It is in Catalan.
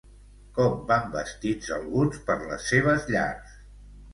Com van vestits alguns per les seves llars?